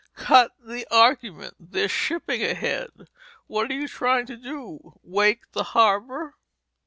Cut the argument! There's shipping ahead. What are you trying to do—wake the harbor?"